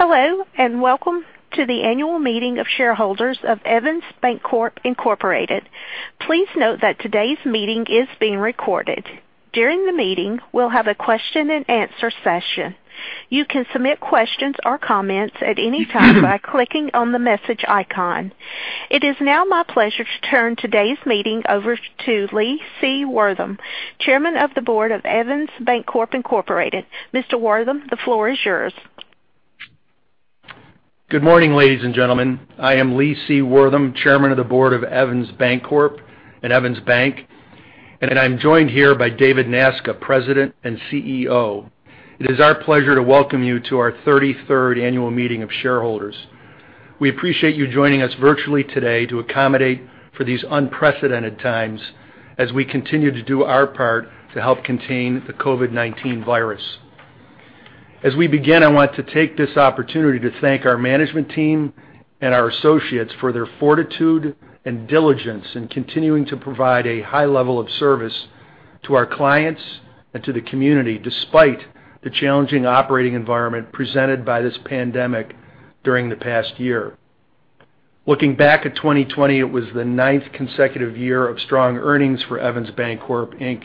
Hello, welcome to the annual meeting of shareholders of Evans Bancorp, Inc.. Please note that today's meeting is being recorded. During the meeting, we'll have a question and answer session. You can submit questions or comments at any time by clicking on the message icon. It is now my pleasure to turn today's meeting over to Lee C. Wortham, Chairman of the Board of Evans Bancorp, Inc.. Mr. Wortham, the floor is yours. Good morning, ladies and gentlemen. I am Lee C. Wortham, Chairman of the Board of Evans Bancorp and Evans Bank, and I'm joined here by David Nasca, President and CEO. It is our pleasure to welcome you to our 33rd annual meeting of shareholders. We appreciate you joining us virtually today to accommodate for these unprecedented times as we continue to do our part to help contain the COVID-19 virus. As we begin, I want to take this opportunity to thank our management team and our associates for their fortitude and diligence in continuing to provide a high level of service to our clients and to the community, despite the challenging operating environment presented by this pandemic during the past year. Looking back at 2020, it was the ninth consecutive year of strong earnings for Evans Bancorp, Inc.,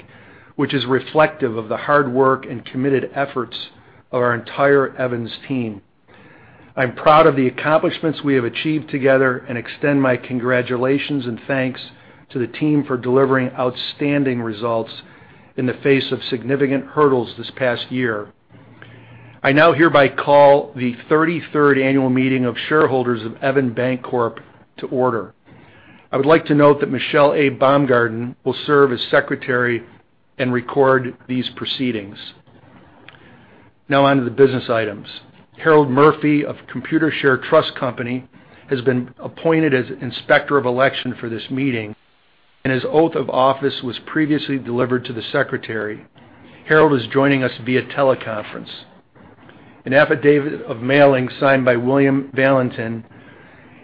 which is reflective of the hard work and committed efforts of our entire Evans team. I'm proud of the accomplishments we have achieved together and extend my congratulations and thanks to the team for delivering outstanding results in the face of significant hurdles this past year. I now hereby call the 33rd annual meeting of shareholders of Evans Bancorp to order. I would like to note that Michelle A. Baumgarten will serve as secretary and record these proceedings. Now on to the business items. Harold Murphy of Computershare Trust Company has been appointed as Inspector of Election for this meeting, and his oath of office was previously delivered to the secretary. Harold is joining us via teleconference. An affidavit of mailing signed by William Valentin,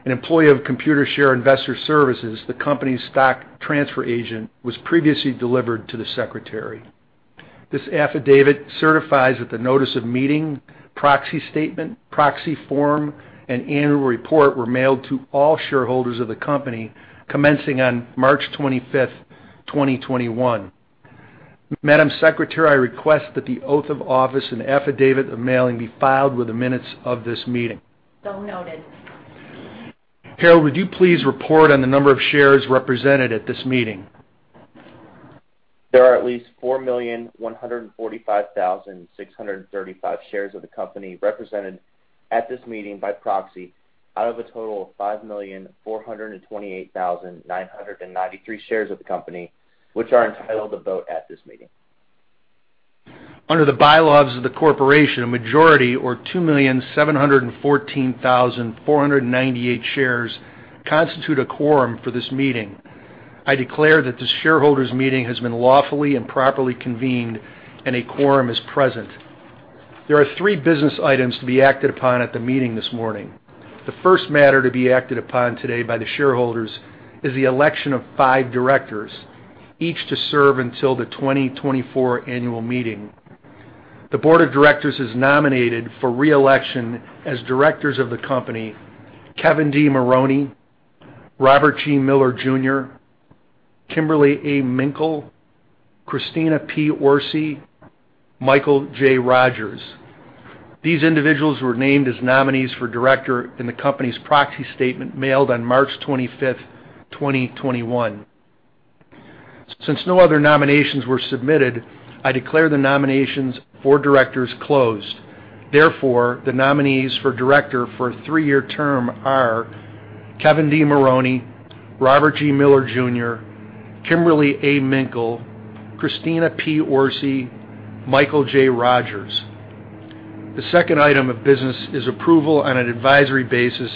an employee of Computershare Investor Services, the company's stock transfer agent, was previously delivered to the Secretary. This affidavit certifies that the notice of meeting, proxy statement, proxy form, and annual report were mailed to all shareholders of the company commencing on March 25th, 2021. Madam Secretary, I request that the oath of office and affidavit of mailing be filed with the minutes of this meeting. Noted. Harold, would you please report on the number of shares represented at this meeting? There are at least 4,145,635 shares of the company represented at this meeting by proxy, out of a total of 5,428,993 shares of the company, which are entitled to vote at this meeting. Under the bylaws of the corporation, a majority or 2,714,498 shares constitute a quorum for this meeting. I declare that this shareholders meeting has been lawfully and properly convened and a quorum is present. There are three business items to be acted upon at the meeting this morning. The first matter to be acted upon today by the shareholders is the election of five directors, each to serve until the 2024 annual meeting. The board of directors has nominated for re-election as Directors of the company, Kevin D. Maroney, Robert G. Miller, Jr., Kimberley A. Minkel, Christina P. Orsi, Michael J. Rogers. These individuals were named as nominees for Director in the company's proxy statement mailed on March 25th, 2021. Since no other nominations were submitted, I declare the nominations for Directors closed. The nominees for director for a three-year term are Kevin D. Maroney, Robert G. Miller, Jr., Kimberley A. Minkel, Christina P. Orsi, Michael J. Rogers. The second item of business is approval on an advisory basis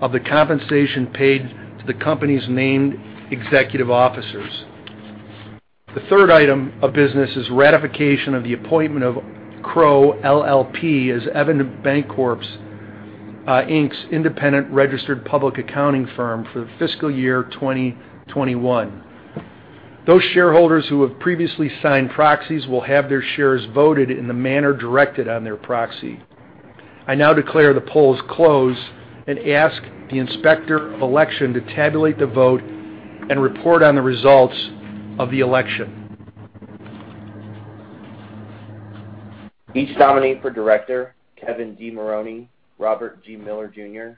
of the compensation paid to the company's named executive officers. The third item of business is ratification of the appointment of Crowe LLP as Evans Bancorp, Inc.'s independent registered public accounting firm for the fiscal year 2021. Those shareholders who have previously signed proxies will have their shares voted in the manner directed on their proxy. I now declare the polls closed and ask the Inspector of Election to tabulate the vote and report on the results of the election. Each nominee for director, Kevin D. Maroney, Robert G. Miller, Jr.,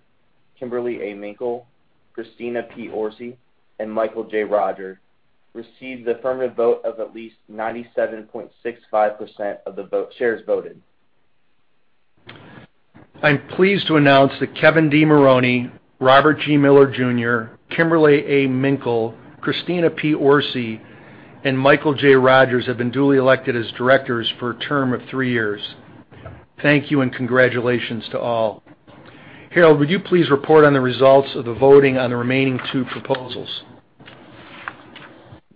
Kimberley A. Minkel, Christina P. Orsi, and Michael J. Rogers, received the affirmative vote of at least 97.65% of the shares voted. I'm pleased to announce that Kevin D. Maroney, Robert G. Miller, Jr., Kimberley A. Minkel, Christina P. Orsi, and Michael J. Rogers have been duly elected as directors for a term of three years. Thank you, and congratulations to all. Harold, would you please report on the results of the voting on the remaining two proposals?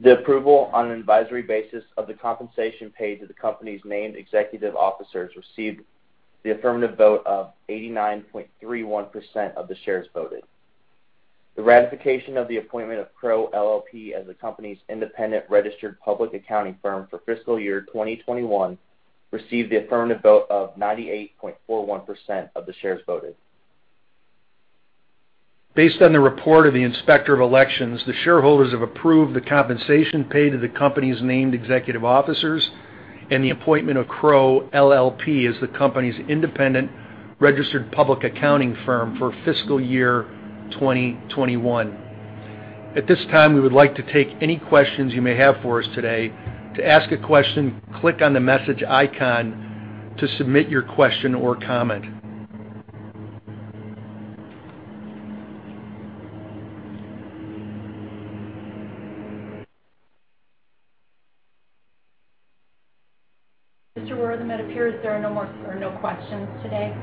The approval on an advisory basis of the compensation paid to the company's named executive officers received the affirmative vote of 89.31% of the shares voted. The ratification of the appointment of Crowe LLP as the company's independent registered public accounting firm for fiscal year 2021 received the affirmative vote of 98.41% of the shares voted. Based on the report of the Inspector of Elections, the shareholders have approved the compensation paid to the company's named executive officers and the appointment of Crowe LLP as the company's independent registered public accounting firm for fiscal year 2021. At this time, we would like to take any questions you may have for us today. To ask a question, click on the message icon to submit your question or comment. Mr. Wortham, it appears there are no questions today.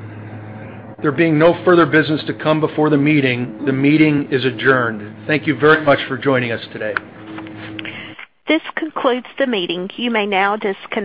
There beng no further business to come before the meeting, the meeting is adjourned. Thank you very much for joining us today. This concludes the meeting. You may now disconnect.